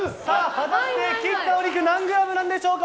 果たして切ったお肉何グラムなんでしょうか？